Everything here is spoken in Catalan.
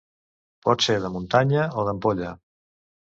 Pot ser de muntanya o d'ampolla.